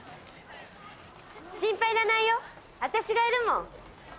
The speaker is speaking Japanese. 心配要らないよ、私がいるもん。